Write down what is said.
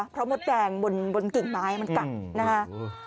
เพราะมดแดงบนกิ่งไม้มันกัดนะฮะ